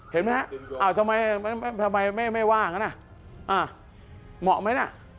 เห็นไหมทำไมไม่ว่างนะมอบไหมนะ